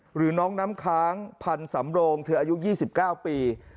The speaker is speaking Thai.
หรือน้องน้ำค้างพันธ์สำโรงเธออายุ๒๙ปี